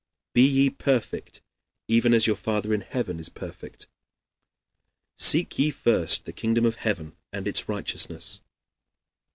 "Be ye perfect even as your Father in heaven is perfect." "Seek ye first the kingdom of heaven and its righteousness."